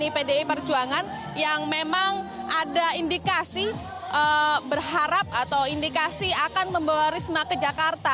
pdi perjuangan yang memang ada indikasi berharap atau indikasi akan membawa risma ke jakarta